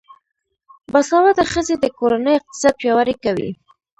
باسواده ښځې د کورنۍ اقتصاد پیاوړی کوي.